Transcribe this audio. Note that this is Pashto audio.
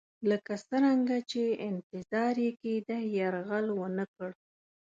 لکه څرنګه چې انتظار یې کېدی یرغل ونه کړ.